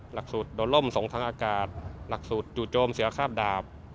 หลักสูตรโดนล่มส่งทางอากาศหลักสูตรจู่โจมเสียคราบดาบ